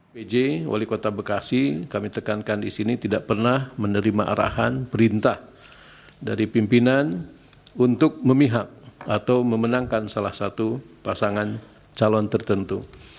pj wali kota bekasi kami tekankan di sini tidak pernah menerima arahan perintah dari pimpinan untuk memihak atau memenangkan salah satu pasangan calon tertentu